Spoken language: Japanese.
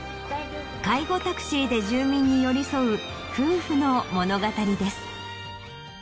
介護タクシーで住民に寄り添う夫婦の物語です！